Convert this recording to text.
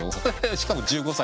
しかも１５歳。